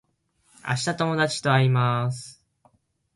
明日友達と会います